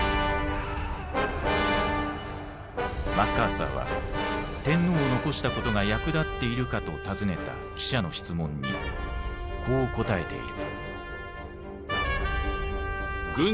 マッカーサーは「天皇を残したことが役立っているか？」と尋ねた記者の質問にこう答えている。